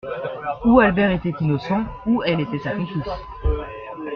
Ou Albert était innocent, ou elle était sa complice.